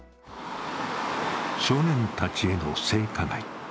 少年たちへの性加害。